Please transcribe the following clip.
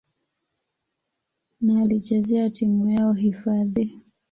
na alichezea timu yao hifadhi.